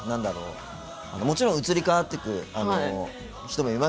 もちろん移り変わっていく人もいますよ。